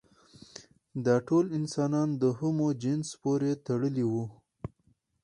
دا ټول انسانان د هومو جنس پورې تړلي وو.